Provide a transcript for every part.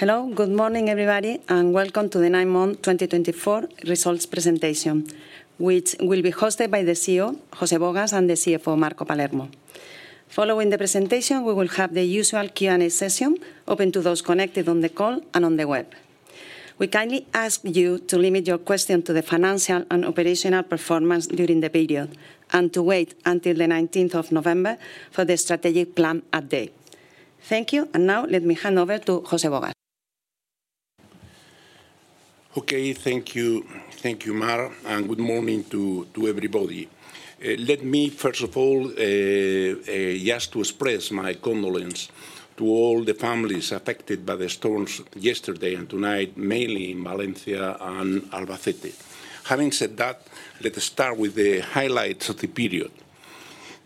Hello, good morning everybody, and welcome to the 9M 2024 results presentation, which will be hosted by the CEO, José Bogas, and the CFO, Marco Palermo. Following the presentation, we will have the usual Q&A session open to those connected on the call and on the web. We kindly ask you to limit your questions to the financial and operational performance during the period and to wait until the 19th of November for the strategic plan update. Thank you, and now let me hand over to José Bogas. Okay, thank you, thank you, Mar, and good morning to everybody. Let me, first of all, just express my condolence to all the families affected by the storms yesterday and tonight, mainly in Valencia and Albacete. Having said that, let's start with the highlights of the period.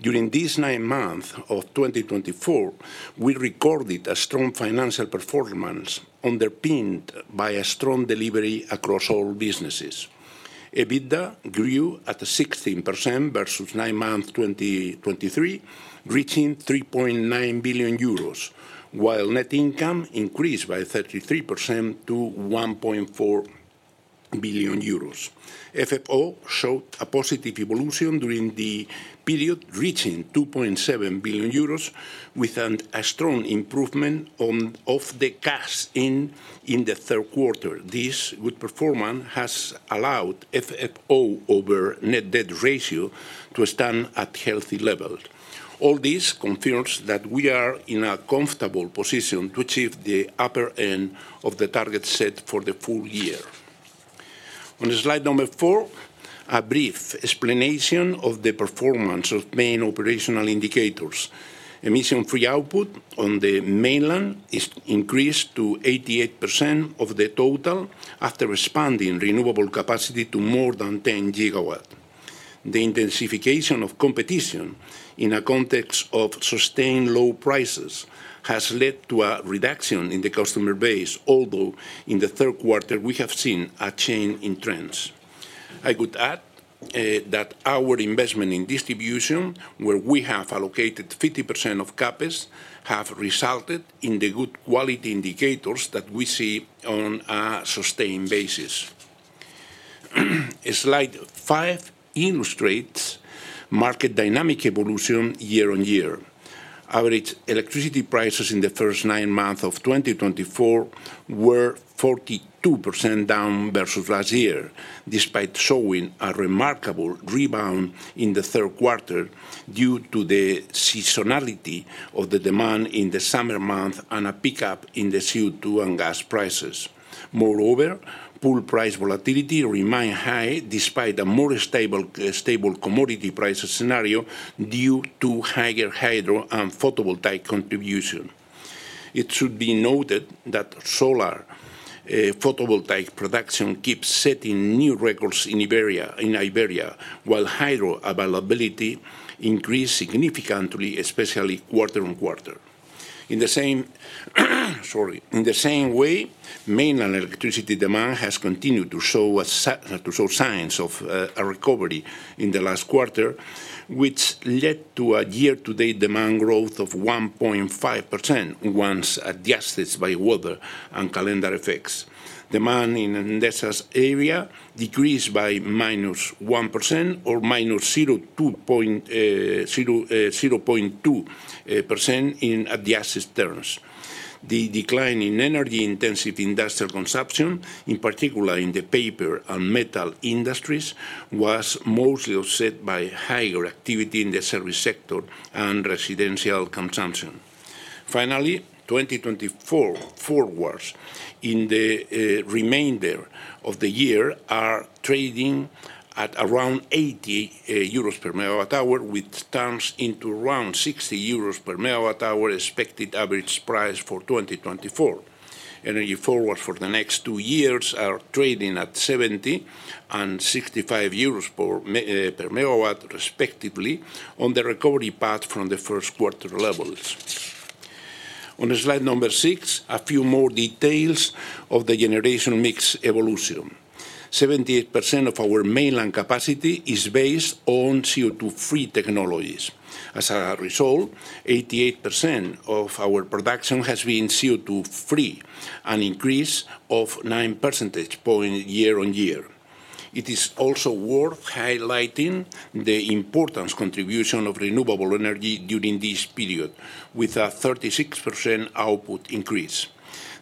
During these nine months of 2024, we recorded a strong financial performance underpinned by a strong delivery across all businesses. EBITDA grew at 16% versus nine months 2023, reaching 3.9 billion euros, while net income increased by 33% to 1.4 billion euros. FFO showed a positive evolution during the period, reaching 2.7 billion euros, with a strong improvement of the cash in the third quarter. This good performance has allowed FFO over net debt ratio to stand at healthy levels. All this confirms that we are in a comfortable position to achieve the upper end of the target set for the full year. On slide number four, a brief explanation of the performance of main operational indicators. Emission-free output on the mainland increased to 88% of the total after expanding renewable capacity to more than 10 gigawatts. The intensification of competition in a context of sustained low prices has led to a reduction in the customer base, although in the third quarter we have seen a change in trends. I would add that our investment in distribution, where we have allocated 50% of CAPEX, has resulted in the good quality indicators that we see on a sustained basis. Slide five illustrates market dynamic evolution year on year. Average electricity prices in the first nine months of 2024 were 42% down versus last year, despite showing a remarkable rebound in the third quarter due to the seasonality of the demand in the summer months and a pickup in the CO2 and gas prices. Moreover, pool price volatility remained high despite a more stable commodity price scenario due to higher hydro and photovoltaic contribution. It should be noted that solar photovoltaic production keeps setting new records in Iberia, while hydro availability increased significantly, especially quarter on quarter. In the same way, mainland electricity demand has continued to show signs of a recovery in the last quarter, which led to a year-to-date demand growth of 1.5%, once adjusted by weather and calendar effects. Demand in Endesa's area decreased by -1% or -0.2% in adjusted terms. The decline in energy-intensive industrial consumption, in particular in the paper and metal industries, was mostly offset by higher activity in the service sector and residential consumption. Finally, 2024 forwards in the remainder of the year are trading at around 80 euros per megawatt hour, with short-term into around 60 euros per megawatt hour expected average price for 2024. Energy forwards for the next two years are trading at 70 and 65 euros per megawatt, respectively, on the recovery path from the first quarter levels. On slide number 6, a few more details of the generation mix evolution. 78% of our mainland capacity is based on CO2-free technologies. As a result, 88% of our production has been CO2-free, an increase of 9 percentage points year on year. It is also worth highlighting the important contribution of renewable energy during this period, with a 36% output increase.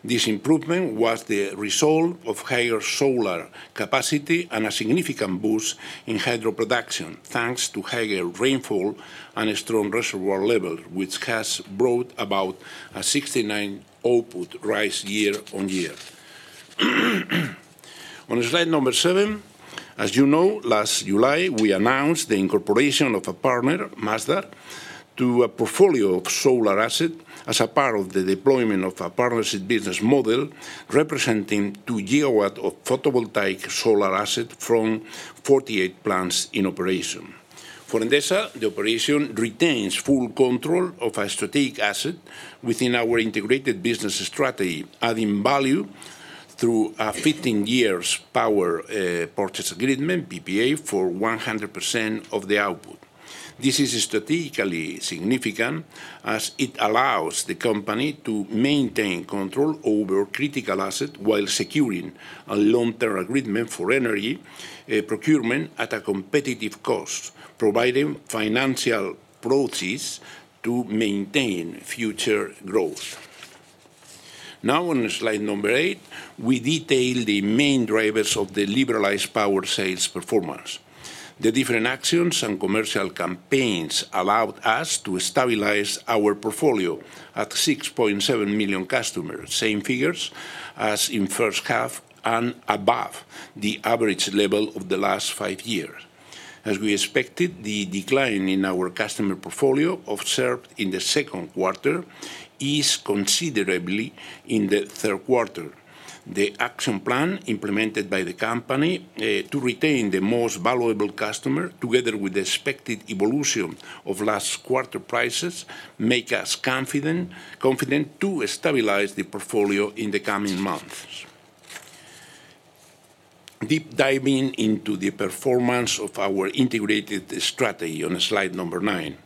This improvement was the result of higher solar capacity and a significant boost in hydro production, thanks to higher rainfall and strong reservoir levels, which has brought about a 69% output rise year on year. On slide number 7, as you know, last July we announced the incorporation of a partner, Masdar, to a portfolio of solar assets as a part of the deployment of a partnership business model, representing 2 gigawatts of photovoltaic solar assets from 48 plants in operation. For Endesa, the operation retains full control of a strategic asset within our integrated business strategy, adding value through a 15-year Power Purchase Agreement (PPA) for 100% of the output. This is strategically significant, as it allows the company to maintain control over critical assets while securing a long-term agreement for energy procurement at a competitive cost, providing financial proceeds to maintain future growth. Now, on slide number 8, we detail the main drivers of the liberalized power sales performance. The different actions and commercial campaigns allowed us to stabilize our portfolio at 6.7 million customers, same figures as in the first half and above the average level of the last five years. As we expected, the decline in our customer portfolio observed in the second quarter is considerably in the third quarter. The action plan implemented by the company to retain the most valuable customers, together with the expected evolution of last quarter prices, makes us confident to stabilize the portfolio in the coming months. Deep diving into the performance of our integrated strategy on slide number 9,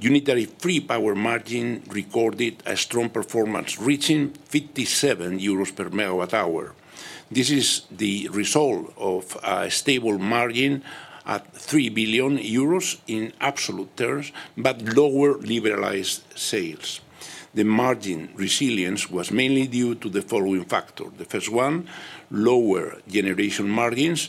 unitary free power margin recorded a strong performance, reaching 57 euros per megawatt hour. This is the result of a stable margin at 3 billion euros in absolute terms, but lower liberalized sales. The margin resilience was mainly due to the following factors. The first one, lower generation margins,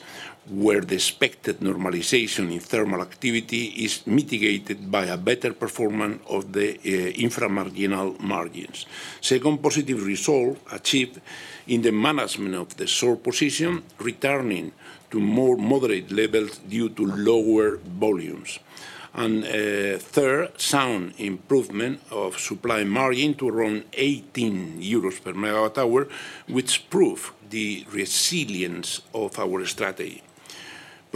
where the expected normalization in thermal activity is mitigated by a better performance of the inframarginal margins. Second, positive result achieved in the management of the short position, returning to more moderate levels due to lower volumes. And third, sound improvement of supply margin to around 18 euros per megawatt hour, which proves the resilience of our strategy.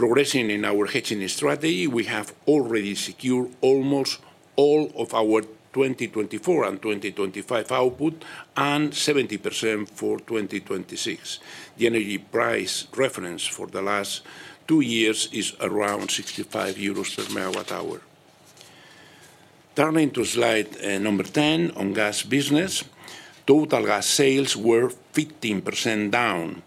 Progressing in our hedging strategy, we have already secured almost all of our 2024 and 2025 output and 70% for 2026. The energy price reference for the last two years is around 65 euros per megawatt hour. Turning to slide number 10 on gas business, total gas sales were 15% down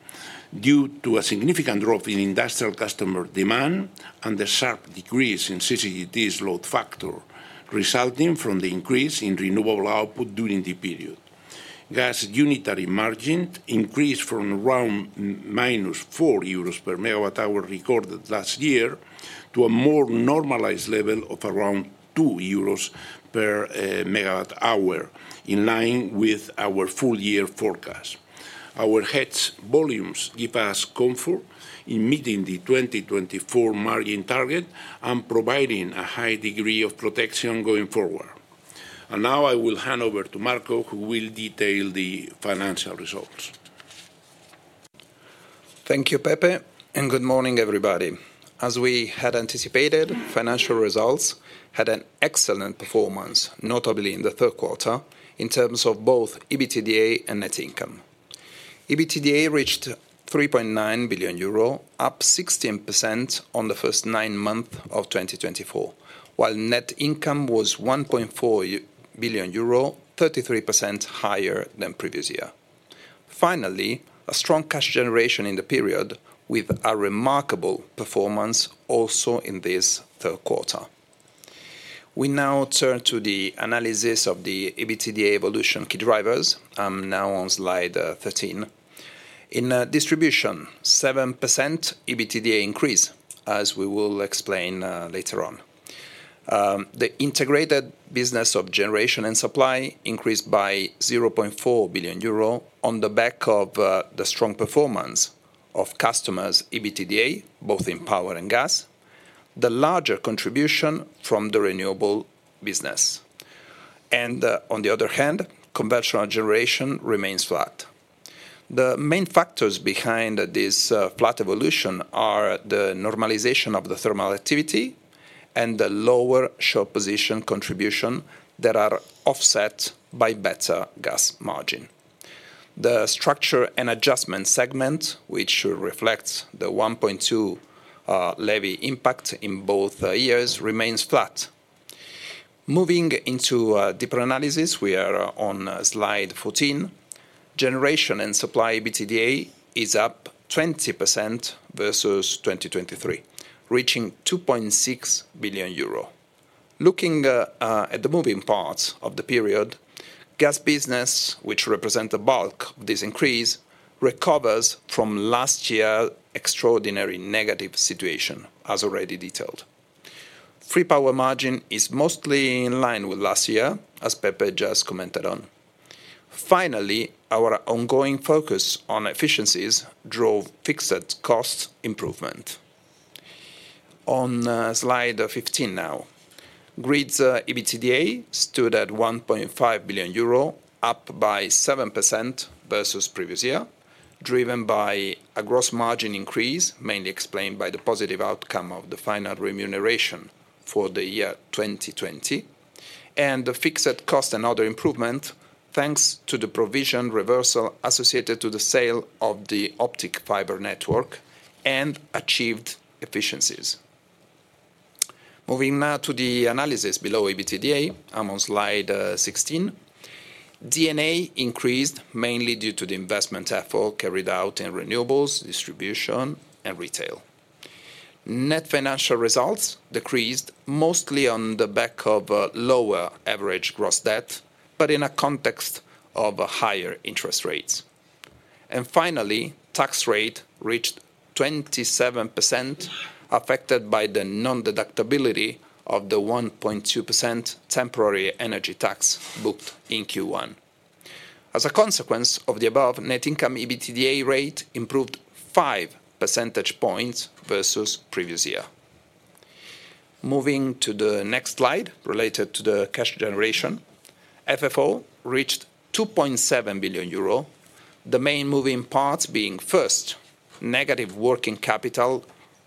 due to a significant drop in industrial customer demand and the sharp decrease in CCGT's load factor, resulting from the increase in renewable output during the period. Gas unitary margin increased from around 4 euros per megawatt hour recorded last year to a more normalized level of around 2 euros per megawatt hour, in line with our full-year forecast. Our hedge volumes give us comfort in meeting the 2024 margin target and providing a high degree of protection going forward. And now I will hand over to Marco, who will detail the financial results. Thank you, Pepe, and good morning, everybody. As we had anticipated, financial results had an excellent performance, notably in the third quarter, in terms of both EBITDA and net income. EBITDA reached 3.9 billion euro, up 16% on the first nine months of 2024, while net income was 1.4 billion euro, 33% higher than previous year. Finally, a strong cash generation in the period, with a remarkable performance also in this third quarter. We now turn to the analysis of the EBITDA evolution key drivers. I'm now on slide 13. In distribution, 7% EBITDA increase, as we will explain later on. The integrated business of generation and supply increased by 0.4 billion euro on the back of the strong performance of customers' EBITDA, both in power and gas, the larger contribution from the renewable business, and on the other hand, conventional generation remains flat. The main factors behind this flat evolution are the normalization of the thermal activity and the lower short position contribution that are offset by better gas margin. The structure and adjustment segment, which reflects the 1.2 levy impact in both years, remains flat. Moving into a deeper analysis, we are on slide 14. Generation and supply EBITDA is up 20% versus 2023, reaching 2.6 billion euro. Looking at the moving parts of the period, gas business, which represents the bulk of this increase, recovers from last year's extraordinary negative situation, as already detailed. Free power margin is mostly in line with last year, as Pepe just commented on. Finally, our ongoing focus on efficiencies drove fixed cost improvement. On slide 15 now, grids EBITDA stood at 1.5 billion euro, up by 7% versus previous year, driven by a gross margin increase, mainly explained by the positive outcome of the final remuneration for the year 2020, and the fixed cost and other improvements, thanks to the provision reversal associated with the sale of the optic fiber network, and achieved efficiencies. Moving now to the analysis below EBITDA, I'm on slide 16. D&A increased mainly due to the investment effort carried out in renewables, distribution, and retail. Net financial results decreased mostly on the back of lower average gross debt, but in a context of higher interest rates. Finally, tax rate reached 27%, affected by the non-deductibility of the 1.2% temporary energy tax booked in Q1. As a consequence of the above, net income EBITDA rate improved 5 percentage points versus previous year. Moving to the next slide related to the cash generation, FFO reached 2.7 billion euro, the main moving parts being first, negative working capital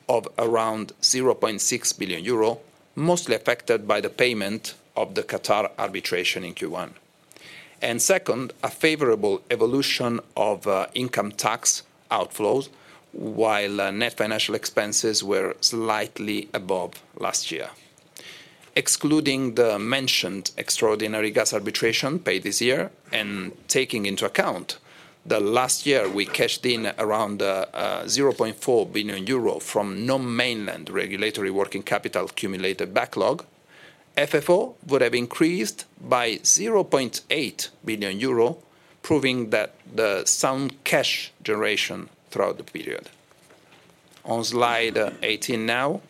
of around 0.6 billion euro, mostly affected by the payment of the Qatar arbitration in Q1, and second, a favorable evolution of income tax outflows, while net financial expenses were slightly above last year. Excluding the mentioned extraordinary gas arbitration paid this year and taking into account that last year we cashed in around 0.4 billion euro from non-mainland regulatory working capital accumulated backlog, FFO would have increased by 0.8 billion euro, proving that the sound cash generation throughout the period. On slide 18 now,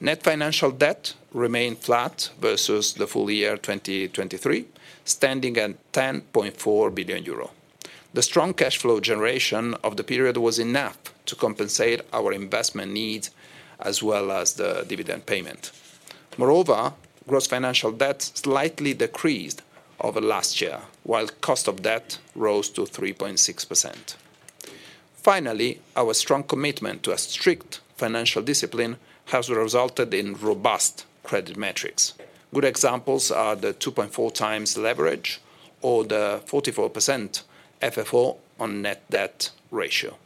net financial debt remained flat versus the full year 2023, standing at 10.4 billion euro. The strong cash flow generation of the period was enough to compensate our investment needs as well as the dividend payment. Moreover, gross financial debt slightly decreased over last year, while cost of debt rose to 3.6%. Finally, our strong commitment to a strict financial discipline has resulted in robust credit metrics. Good examples are the 2.4 times leverage or the 44% FFO on net debt ratio.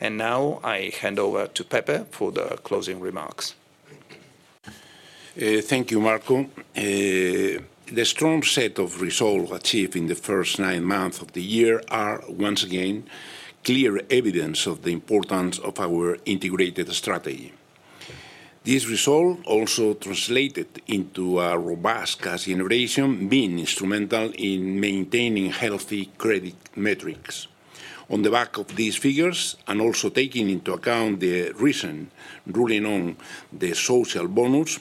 And now I hand over to Pepe for the closing remarks. Thank you, Marco. The strong set of results achieved in the first nine months of the year are once again clear evidence of the importance of our integrated strategy. This result also translated into a robust cash generation, being instrumental in maintaining healthy credit metrics. On the back of these figures, and also taking into account the recent ruling on the social bonus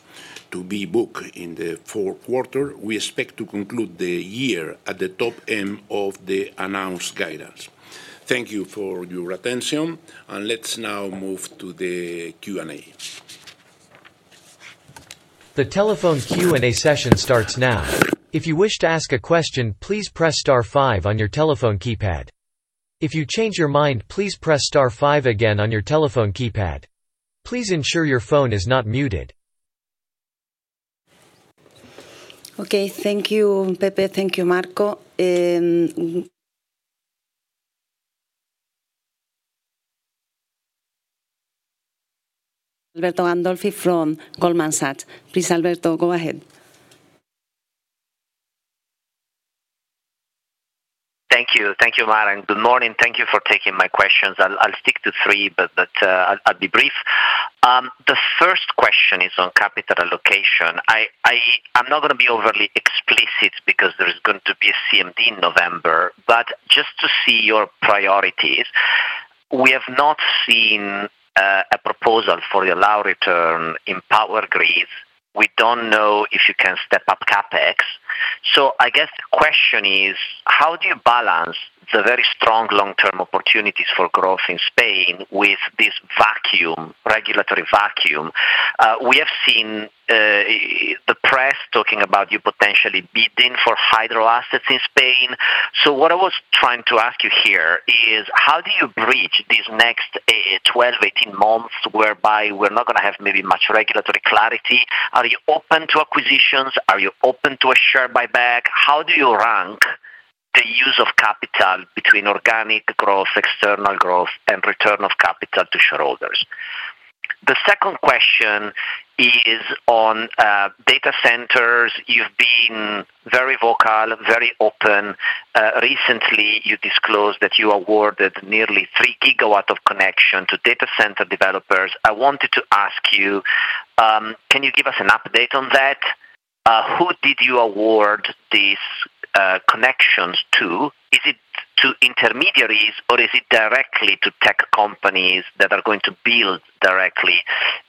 to be booked in the fourth quarter, we expect to conclude the year at the top end of the announced guidance. Thank you for your attention, and let's now move to the Q&A. The telephone Q&A session starts now. If you wish to ask a question, please press star 5 on your telephone keypad. If you change your mind, please press star 5 again on your telephone keypad. Please ensure your phone is not muted. Okay, thank you, Pepe, thank you, Marco. Alberto Gandolfi from Goldman Sachs. Please, Alberto, go ahead. Thank you, thank you, Mar. And good morning. Thank you for taking my questions. I'll stick to three, but I'll be brief. The first question is on capital allocation. I'm not going to be overly explicit because there is going to be a CMD in November, but just to see your priorities, we have not seen a proposal for the allowed return in power grids. We don't know if you can step up CapEx. So I guess the question is, how do you balance the very strong long-term opportunities for growth in Spain with this vacuum, regulatory vacuum? We have seen the press talking about you potentially bidding for hydro assets in Spain. So what I was trying to ask you here is, how do you bridge these next 12-18 months whereby we're not going to have maybe much regulatory clarity? Are you open to acquisitions? Are you open to a share buyback? How do you rank the use of capital between organic growth, external growth, and return of capital to shareholders? The second question is on data centers. You've been very vocal, very open. Recently, you disclosed that you awarded nearly three gigawatts of connection to data center developers. I wanted to ask you, can you give us an update on that? Who did you award these connections to? Is it to intermediaries, or is it directly to tech companies that are going to build directly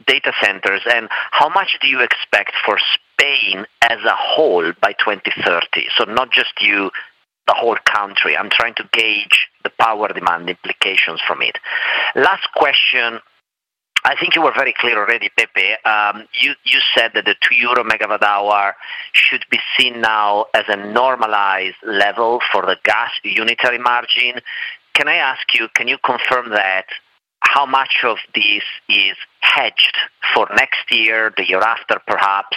data centers? And how much do you expect for Spain as a whole by 2030? So not just you, the whole country. I'm trying to gauge the power demand implications from it. Last question. I think you were very clear already, Pepe. You said that the 2 euro megawatt hour should be seen now as a normalized level for the gas unitary margin. Can I ask you, can you confirm that how much of this is hedged for next year, the year after, perhaps?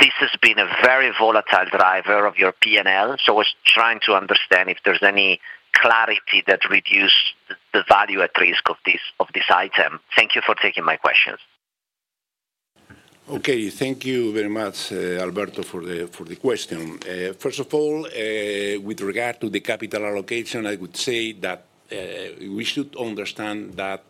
This has been a very volatile driver of your P&L, so I was trying to understand if there's any clarity that reduces the value at risk of this item. Thank you for taking my questions. Okay, thank you very much, Alberto, for the question. First of all, with regard to the capital allocation, I would say that we should understand that,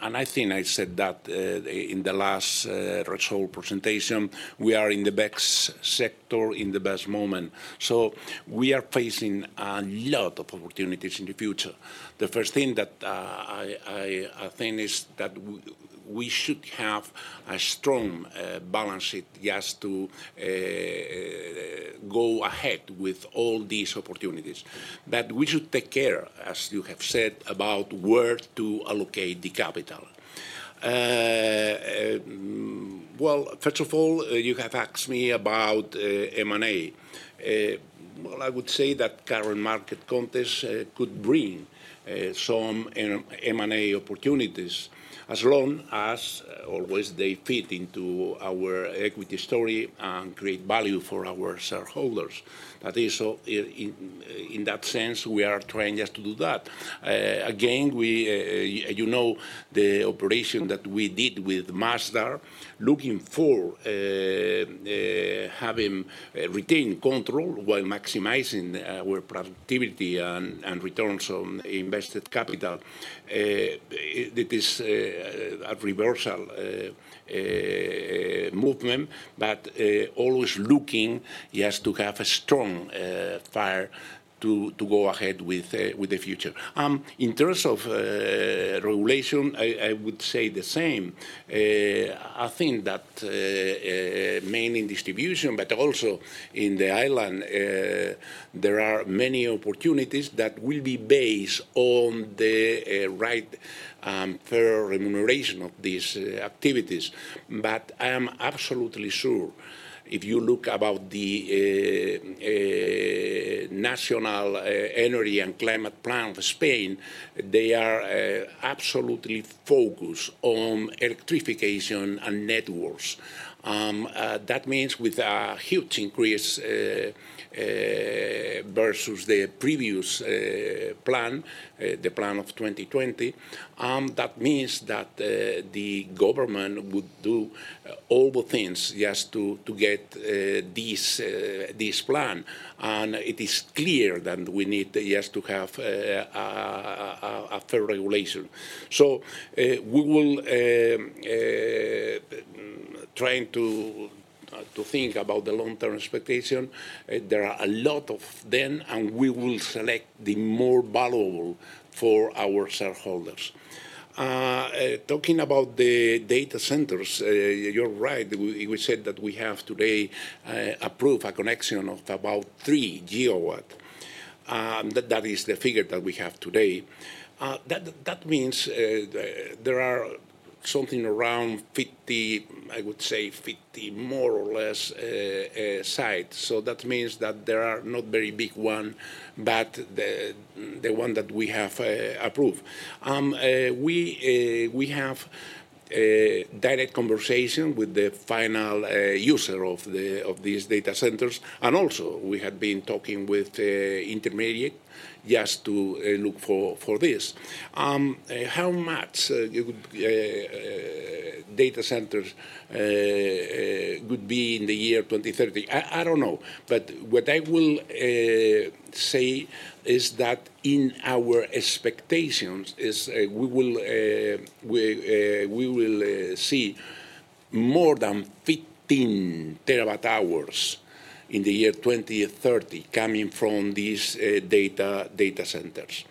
and I think I said that in the last result presentation, we are in the best sector in the best moment. So we are facing a lot of opportunities in the future. The first thing that I think is that we should have a strong balance sheet just to go ahead with all these opportunities. That we should take care, as you have said, about where to allocate the capital. Well, first of all, you have asked me about M&A. Well, I would say that current market context could bring some M&A opportunities, as long as always they fit into our equity story and create value for our shareholders. That is, in that sense, we are trying just to do that. Again, you know the operation that we did with Masdar, looking for having retained control while maximizing our productivity and returns on invested capital. It is a reversal movement, but always looking just to have a strong fire to go ahead with the future. In terms of regulation, I would say the same. I think that mainly in distribution, but also in the island, there are many opportunities that will be based on the right fair remuneration of these activities, but I am absolutely sure if you look about the National Energy and Climate Plan of Spain, they are absolutely focused on electrification and networks. That means with a huge increase versus the previous plan, the plan of 2020. That means that the government would do all the things just to get this plan, and it is clear that we need just to have a fair regulation. So we will try to think about the long-term expectation. There are a lot of them, and we will select the more valuable for our shareholders. Talking about the data centers, you're right, we said that we have today approved a connection of about three gigawatts. That is the figure that we have today. That means there are something around 50, I would say 50 more or less sites. So that means that there are not very big ones, but the one that we have approved. We have direct conversation with the final user of these data centers, and also we had been talking with intermediaries just to look for this. How much data centers could be in the year 2030? I don't know, but what I will say is that in our expectations, we will see more than 15 terawatt hours in the year 2030 coming from these data centers.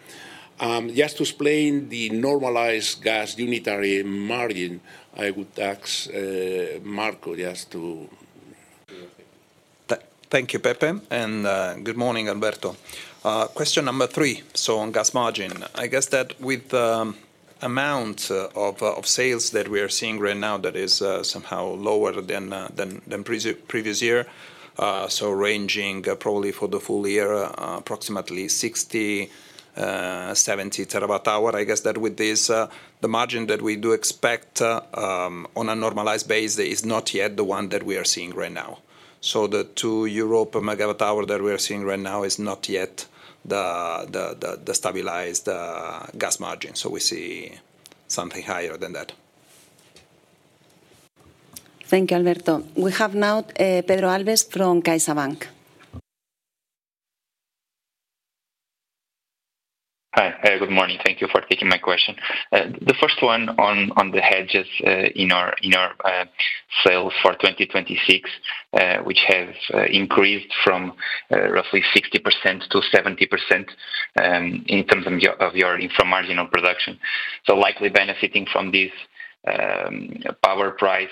Just to explain the normalized gas unitary margin, I would ask Marco just to. Thank you, Pepe, and good morning, Alberto. Question number three, so on gas margin. I guess that with the amount of sales that we are seeing right now that is somehow lower than previous year, so ranging probably for the full year approximately 60-70 terawatt hours. I guess that with this, the margin that we do expect on a normalized base is not yet the one that we are seeing right now. So the 2 megawatt hour that we are seeing right now is not yet the stabilized gas margin, so we see something higher than that. Thank you, Alberto. We have now Pedro Gálvez from CaixaBank. Hi, good morning. Thank you for taking my question. The first one on the hedges in our sales for 2026, which have increased from roughly 60%-70% in terms of your marginal production. So likely benefiting from this power price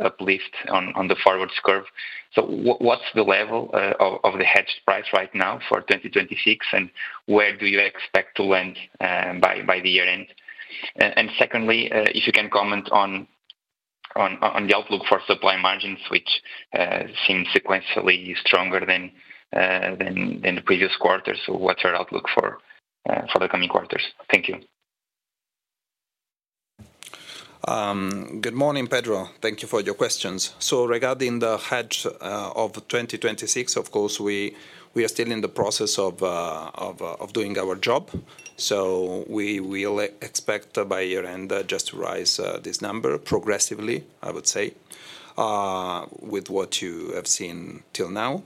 uplift on the forward curve. So what's the level of the hedge price right now for 2026, and where do you expect to land by the year-end? And secondly, if you can comment on the outlook for supply margins, which seem sequentially stronger than the previous quarter. So what's your outlook for the coming quarters? Thank you. Good morning, Pedro. Thank you for your questions. So regarding the hedge of 2026, of course, we are still in the process of doing our job. So we expect by year end just to rise this number progressively, I would say, with what you have seen till now.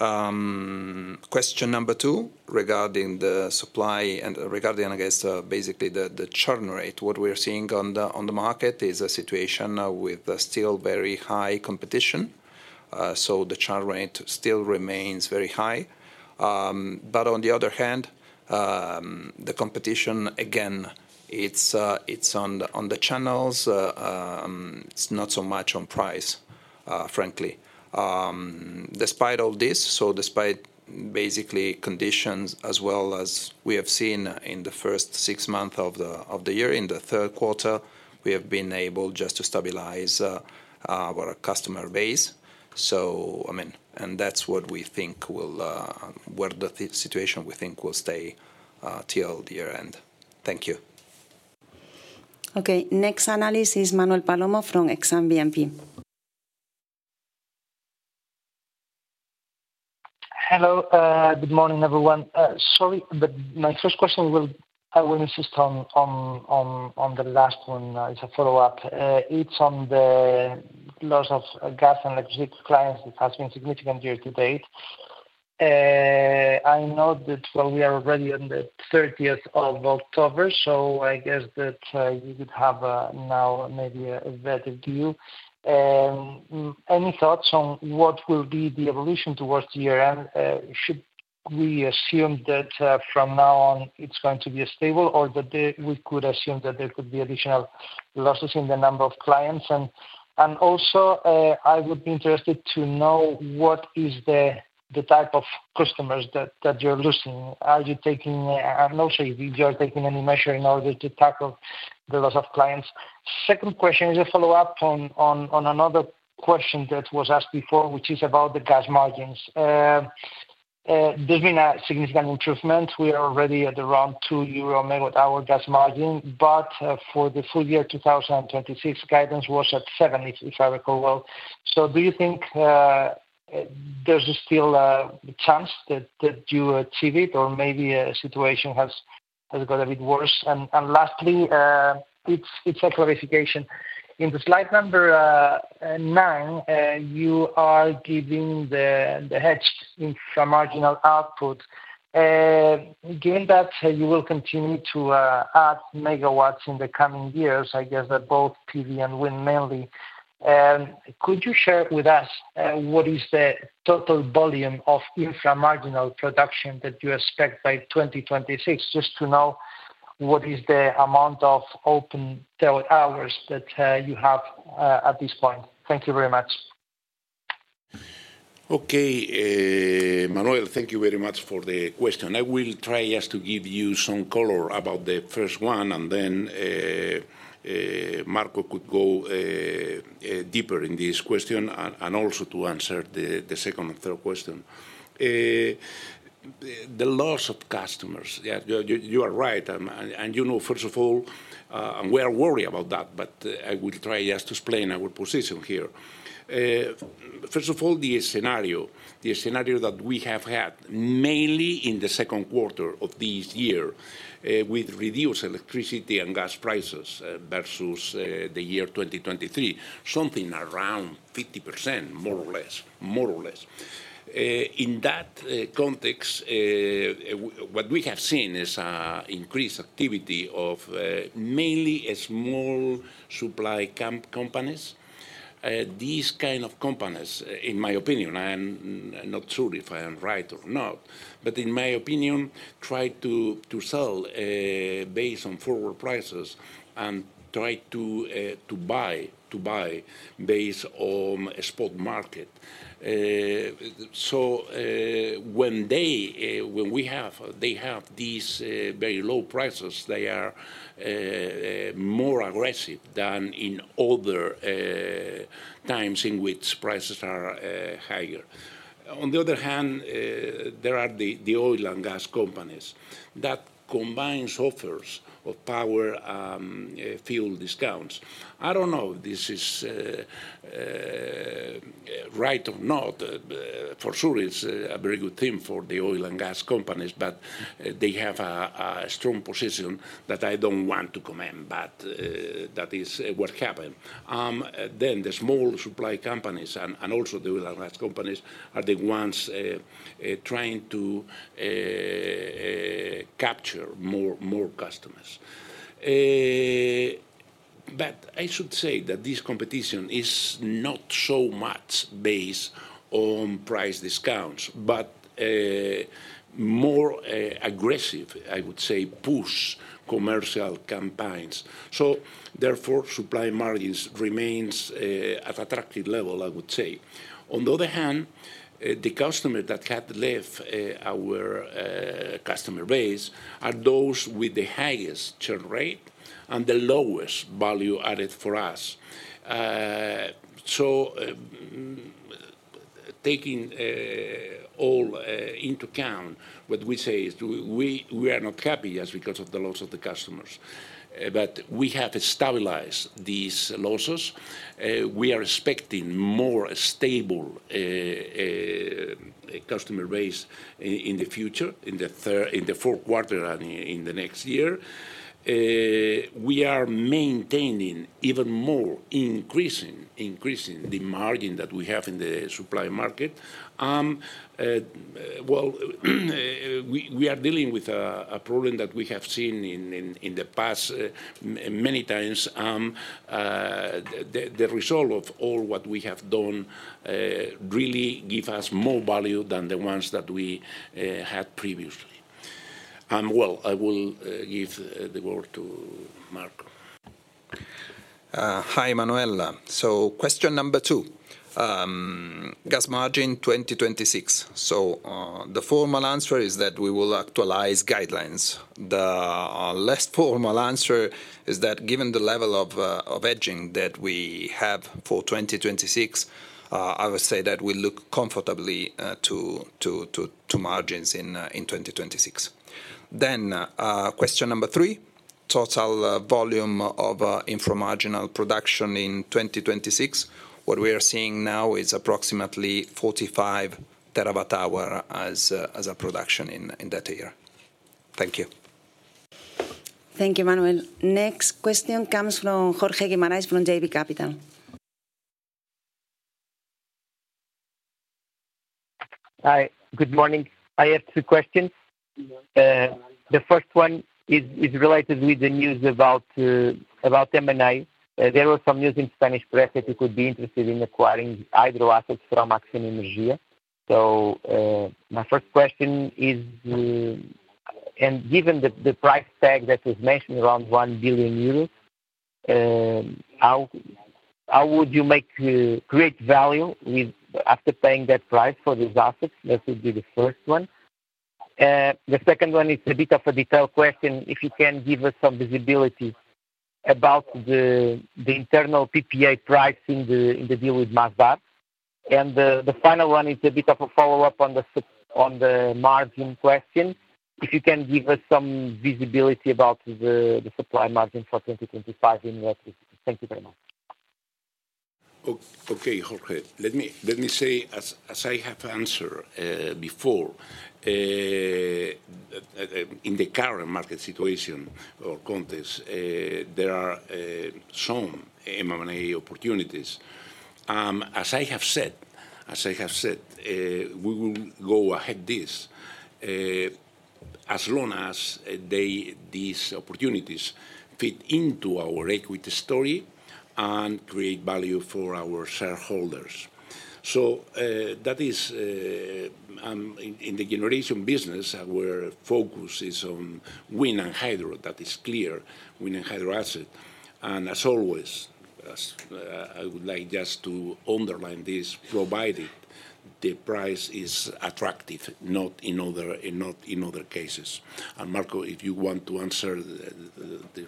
Question number two, regarding the supply and regarding I guess basically the churn rate, what we are seeing on the market is a situation with still very high competition. So the churn rate still remains very high. But on the other hand, the competition, again, it's on the channels. It's not so much on price, frankly. Despite all this, so despite basically conditions as well as we have seen in the first six months of the year, in the third quarter, we have been able just to stabilize our customer base. So, I mean, and that's what we think will, where the situation we think will stay till the year end. Thank you. Okay, next analyst is Manuel Palomo from Exane BNP Paribas. Hello, good morning, everyone. Sorry, but my first question will insist on the last one. It's a follow-up. It's on the loss of gas and electricity clients that has been significant year to date. I know that we are already on the 30th of October, so I guess that you would have now maybe a better view. Any thoughts on what will be the evolution towards the year end? Should we assume that from now on it's going to be a stable or that we could assume that there could be additional losses in the number of clients? And also, I would be interested to know what is the type of customers that you're losing? Are you taking no shade? Are you taking any measure in order to tackle the loss of clients? Second question is a follow-up on another question that was asked before, which is about the gas margins. There's been a significant improvement. We are already at around 2 euro megawatt hour gas margin, but for the full year 2026, guidance was at 7, if I recall well. So do you think there's still a chance that you achieve it or maybe a situation has got a bit worse? And lastly, it's a clarification. In the slide number nine, you are giving the hedged inframarginal output. Given that you will continue to add megawatts in the coming years, I guess that both PV and wind mainly, could you share with us what is the total volume of inframarginal production that you expect by 2026? Just to know what is the amount of open hours that you have at this point. Thank you very much. Okay, Manuel, thank you very much for the question. I will try just to give you some color about the first one, and then Marco could go deeper in this question and also to answer the second and third question. The loss of customers, you are right. And you know, first of all, and we are worried about that, but I will try just to explain our position here. First of all, the scenario, the scenario that we have had mainly in the second quarter of this year with reduced electricity and gas prices versus the year 2023, something around 50%, more or less, more or less. In that context, what we have seen is an increased activity of mainly small supply companies. These kind of companies, in my opinion, I'm not sure if I am right or not, but in my opinion, try to sell based on forward prices and try to buy based on spot market. So when we have these very low prices, they are more aggressive than in other times in which prices are higher. On the other hand, there are the oil and gas companies that combine offers of power fuel discounts. I don't know if this is right or not. For sure, it's a very good thing for the oil and gas companies, but they have a strong position that I don't want to comment, but that is what happened. Then the small supply companies and also the oil and gas companies are the ones trying to capture more customers. But I should say that this competition is not so much based on price discounts, but more aggressive, I would say, push commercial campaigns. So therefore, supply margins remain at attractive level, I would say. On the other hand, the customers that have left our customer base are those with the highest churn rate and the lowest value added for us. So taking all into account, what we say is we are not happy just because of the loss of the customers, but we have stabilized these losses. We are expecting more stable customer base in the future, in the fourth quarter and in the next year. We are maintaining even more increasing the margin that we have in the supply market. Well, we are dealing with a problem that we have seen in the past many times. The result of all what we have done really gives us more value than the ones that we had previously. I will give the word to Marco. Hi, Manuel. So question number two, gas margin 2026. So the formal answer is that we will actualize guidelines. The less formal answer is that given the level of hedging that we have for 2026, I would say that we look comfortably to margins in 2026. Then question number three, total volume of inframarginal production in 2026. What we are seeing now is approximately 45 terawatt hour as a production in that year. Thank you. Thank you, Manuel. Next question comes from Jorge Guimarães from JB Capital. Hi, good morning. I have two questions. The first one is related with the news about M&A. There was some news in Spanish press that you could be interested in acquiring hydro assets from Acciona Energía. So my first question is, and given the price tag that was mentioned around 1 billion euros, how would you create value after paying that price for these assets? That would be the first one. The second one is a bit of a detailed question. If you can give us some visibility about the internal PPA pricing in the deal with Masdar. And the final one is a bit of a follow-up on the margin question. If you can give us some visibility about the supply margin for 2025 in electricity. Thank you very much. Okay, Jorge, let me say, as I have answered before, in the current market situation or context, there are some M&A opportunities. As I have said, we will go ahead this as long as these opportunities fit into our equity story and create value for our shareholders. So that is in the generation business, our focus is on wind and hydro. That is clear, wind and hydro asset. And as always, I would like just to underline this, provided the price is attractive, not in other cases. And Marco, if you want to answer the.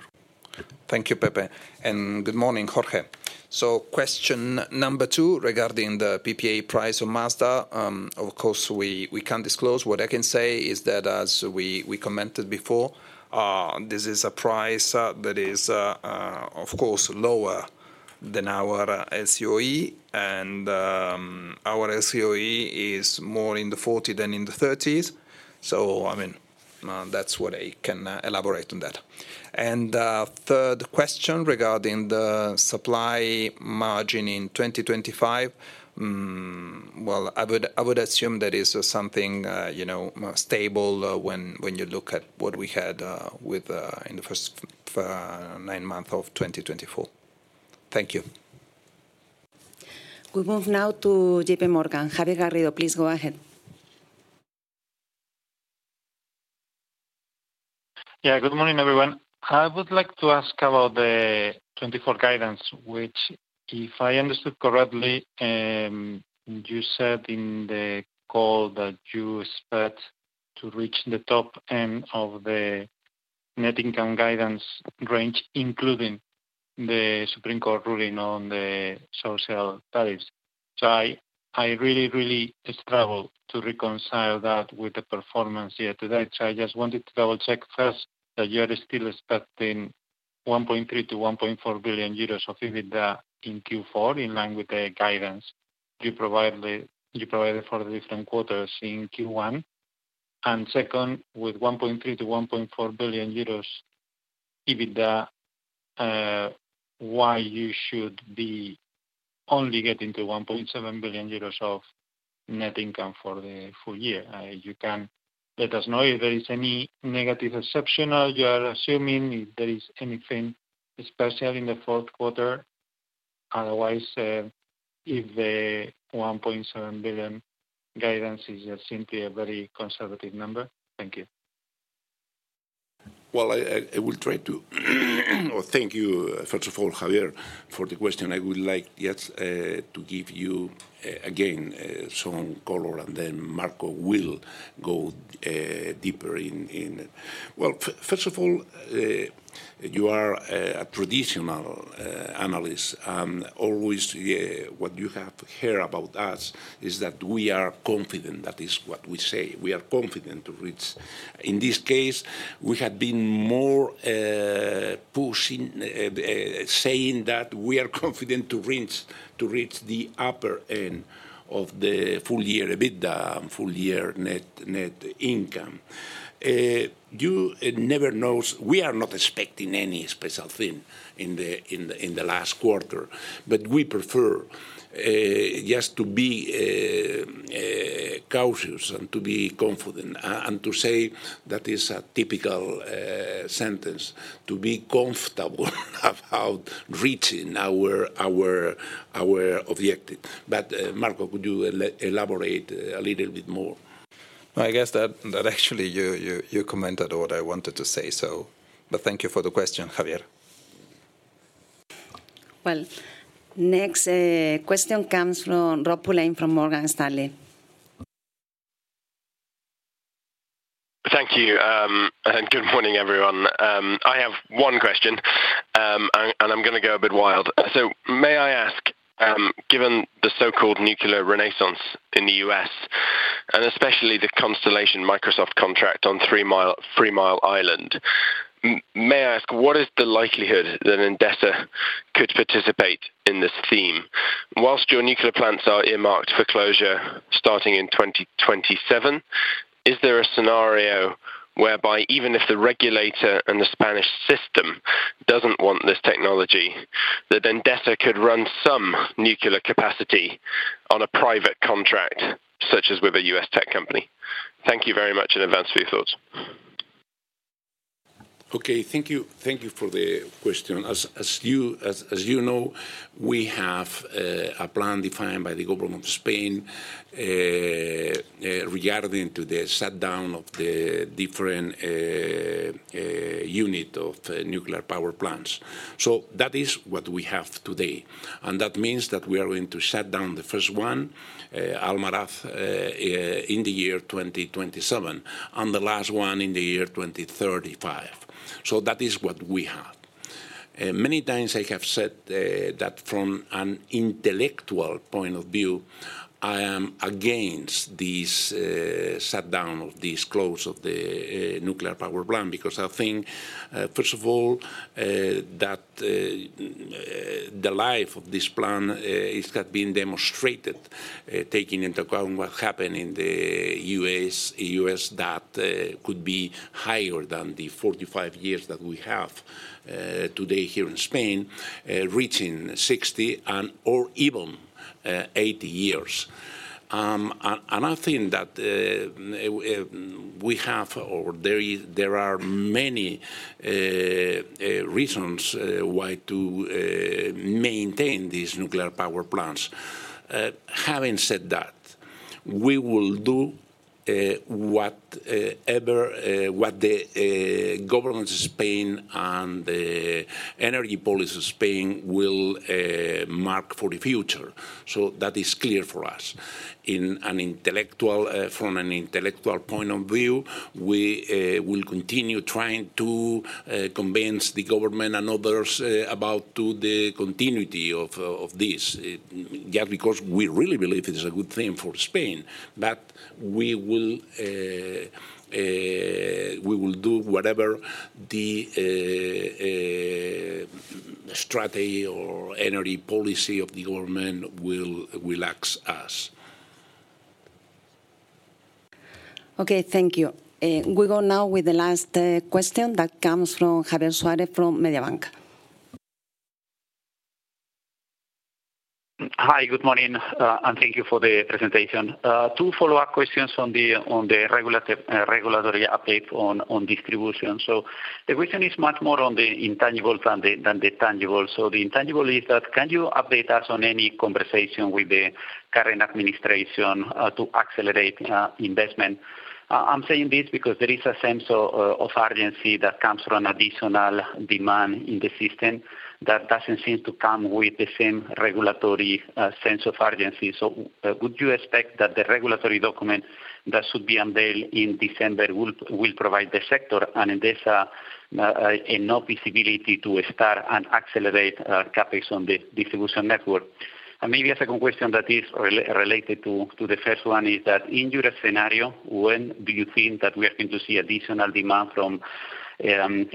Thank you, Pepe. And good morning, Jorge. So question number two regarding the PPA price of Masdar. Of course, we can't disclose. What I can say is that as we commented before, this is a price that is, of course, lower than our LCOE. And our LCOE is more in the 40 than in the 30s. So, I mean, that's what I can elaborate on that. And third question regarding the supply margin in 2025, well, I would assume that is something stable when you look at what we had in the first nine months of 2024. Thank you. We move now to J.P. Morgan. Javier Garrido, please go ahead. Yeah, good morning, everyone. I would like to ask about the 2024 guidance, which, if I understood correctly, you said in the call that you expect to reach the top end of the net income guidance range, including the Supreme Court ruling on the social bonus. So I really, really struggle to reconcile that with the performance year to date. So I just wanted to double-check first that you are still expecting 1.3-1.4 billion euros of EBITDA in Q4 in line with the guidance you provided for the different quarters in Q1. And second, with 1.3-1.4 billion euros EBITDA, why you should be only getting to 1.7 billion euros of net income for the full year. You can let us know if there is any negative exception or you are assuming if there is anything special in the fourth quarter. Otherwise, if the 1.7 billion guidance is simply a very conservative number. Thank you. I will try to thank you, first of all, Javier, for the question. I would like just to give you again some color, and then Marco will go deeper in. First of all, you are a traditional analyst, and always what you have heard about us is that we are confident that is what we say. We are confident to reach. In this case, we had been more pushing, saying that we are confident to reach the upper end of the full year EBITDA and full year net income. You never know. We are not expecting any special thing in the last quarter, but we prefer just to be cautious and to be confident and to say that is a typical sentence, to be comfortable about reaching our objective. But Marco, could you elaborate a little bit more? I guess that actually you commented on what I wanted to say, so. But thank you for the question, Javier. Next question comes from Rob Pulleyn from Morgan Stanley. Thank you. Good morning, everyone. I have one question, and I'm going to go a bit wild. So may I ask, given the so-called nuclear renaissance in the U.S., and especially the Constellation Microsoft contract on Three Mile Island, may I ask, what is the likelihood that Endesa could participate in this theme? Whilst your nuclear plants are earmarked for closure starting in 2027, is there a scenario whereby even if the regulator and the Spanish system doesn't want this technology, that Endesa could run some nuclear capacity on a private contract, such as with a U.S. tech company? Thank you very much in advance for your thoughts. Okay, thank you for the question. As you know, we have a plan defined by the government of Spain regarding the shutdown of the different units of nuclear power plants. So that is what we have today. And that means that we are going to shut down the first one, Almaraz, in the year 2027, and the last one in the year 2035. So that is what we have. Many times I have said that from an intellectual point of view, I am against this shutdown of this closure of the nuclear power plant because I think, first of all, that the life of this plant is not being demonstrated, taking into account what happened in the U.S., that could be higher than the 45 years that we have today here in Spain, reaching 60 and/or even 80 years. I think that we have, or there are many reasons why to maintain these nuclear power plants. Having said that, we will do whatever the government of Spain and the Energy Policy of Spain will mark for the future. So that is clear for us. From an intellectual point of view, we will continue trying to convince the government and others about the continuity of this, just because we really believe it is a good thing for Spain. But we will do whatever the strategy or energy policy of the government will ask us. Okay, thank you. We go now with the last question that comes from Javier Suárez from Mediobanca. Hi, good morning, and thank you for the presentation. Two follow-up questions on the regulatory update on distribution. So the question is much more on the intangible than the tangible. So the intangible is that: can you update us on any conversation with the current administration to accelerate investment? I'm saying this because there is a sense of urgency that comes from additional demand in the system that doesn't seem to come with the same regulatory sense of urgency. So would you expect that the regulatory document that should be unveiled in December will provide the sector, Endesa, and no visibility to start and accelerate CAPEX on the distribution network? And maybe a second question that is related to the first one is that in your scenario, when do you think that we are going to see additional demand from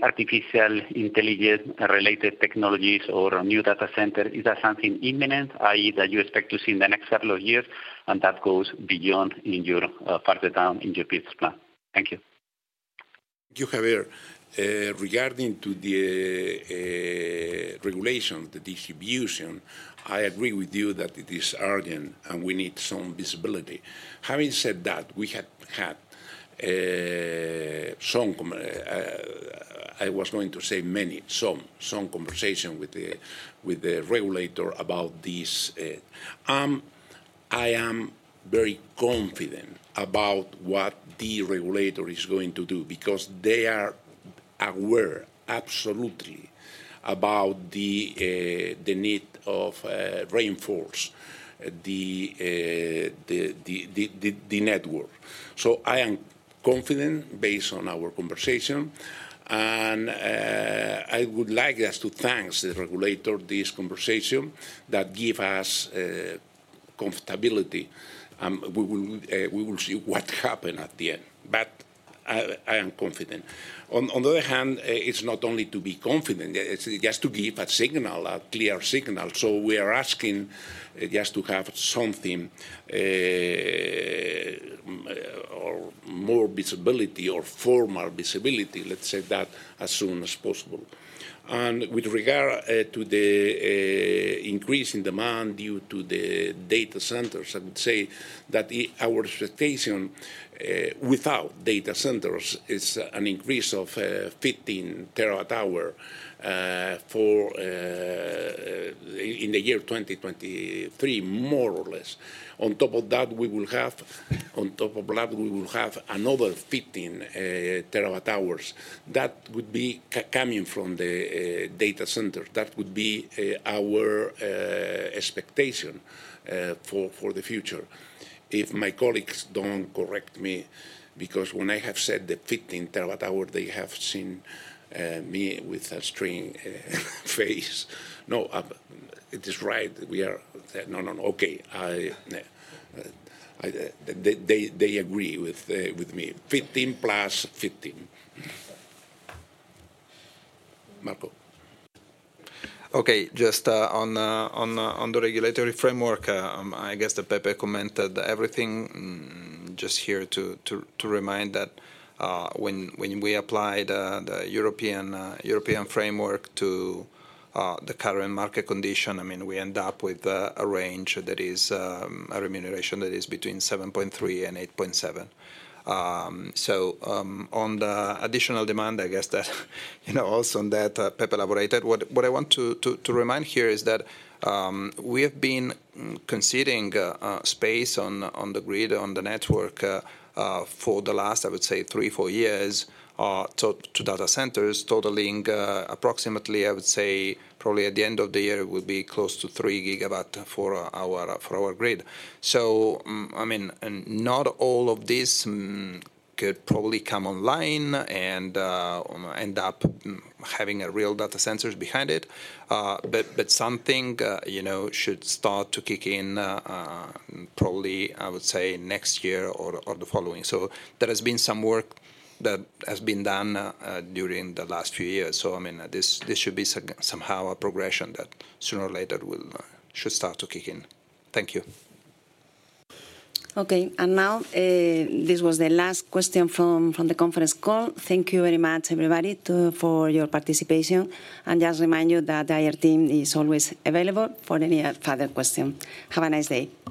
artificial intelligence-related technologies or new data centers? Is that something imminent, i.e., that you expect to see in the next several years and that goes beyond in your further down in your business plan? Thank you. Thank you, Javier. Regarding to the regulation, the distribution, I agree with you that it is urgent and we need some visibility. Having said that, we had some I was going to say many, some conversation with the regulator about this. I am very confident about what the regulator is going to do because they are aware absolutely about the need of reinforcing the network. So I am confident based on our conversation. And I would like just to thank the regulator, this conversation that gave us comfortability. We will see what happened at the end. But I am confident. On the other hand, it's not only to be confident, it's just to give a signal, a clear signal. So we are asking just to have something or more visibility or formal visibility, let's say that, as soon as possible. And with regard to the increase in demand due to the data centers, I would say that our expectation without data centers is an increase of 15 terawatt-hours in the year 2023, more or less. On top of that, we will have on top of that, we will have another 15 terawatt-hours that would be coming from the data centers. That would be our expectation for the future. If my colleagues don't correct me, because when I have said the 15 terawatt-hours, they have seen me with a strange face. No, it is right. We are no, no, no. Okay. They agree with me. 15 plus 15. Marco. Okay, just on the regulatory framework, I guess that Pepe commented everything. Just here to remind that when we applied the European framework to the current market condition, I mean, we end up with a range that is a remuneration that is between 7.3%-8.7%. So on the additional demand, I guess that also on that, Pepe elaborated. What I want to remind here is that we have been conceding space on the grid, on the network for the last, I would say, three, four years to data centers, totaling approximately, I would say, probably at the end of the year, it would be close to three gigawatts for our grid. So, I mean, not all of this could probably come online and end up having a real data center behind it. But something should start to kick in probably, I would say, next year or the following. So there has been some work that has been done during the last few years. So, I mean, this should be somehow a progression that sooner or later should start to kick in. Thank you. Okay. And now this was the last question from the conference call. Thank you very much, everybody, for your participation. And just remind you that the IR team is always available for any further questions. Have a nice day.